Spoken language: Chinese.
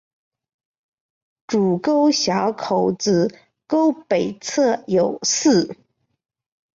主沟小口子沟北侧有寺。